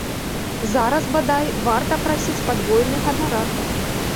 Зараз, бадай, варта прасіць падвойны ганарар!